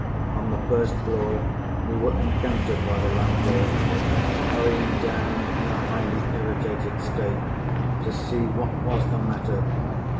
On the first floor we were encountered by the landlord, hurrying down, in a highly irritated state, to see what was the matter.